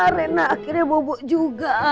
rena akhirnya bobok juga